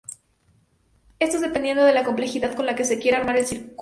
Esto dependiendo de la complejidad con la que se quiera armar el circuito.